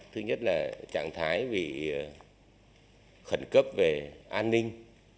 thứ nhất là trạng thái bị khẩn cấp về an ninh